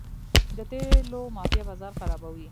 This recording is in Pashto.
د تیلو مافیا بازار خرابوي.